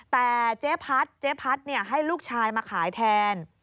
แต่เจ๊พัดเจ๊พัดให้ลูกชายมาขายแทน